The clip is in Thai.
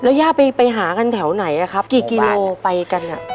ย่าไปหากันแถวไหนครับกี่กิโลไปกัน